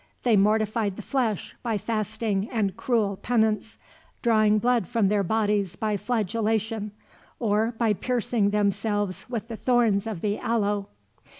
They mortified the flesh by fasting and cruel penance, drawing blood from their bodies by flagellation or by piercing themselves with the thorns of the aloe.